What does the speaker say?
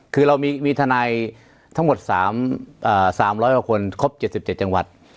คือเรามีทนายทั้งหมด๓๐๐กว่าคนครบ๗๗จังหวัด